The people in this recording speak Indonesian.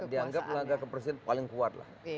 dulu dianggap melanggar kepresiden paling kuat lah